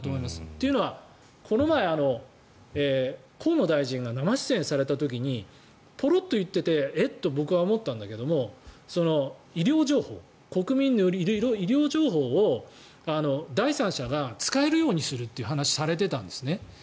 というのはこの前河野大臣が生出演された時にポロッと言っていて僕はえっ？と思ったんだけど医療情報、国民の医療情報を第三者が使えるようにするという話をされていたんですね。